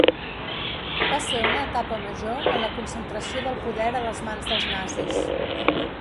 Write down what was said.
Va ser una etapa major en la concentració del poder a les mans dels nazis.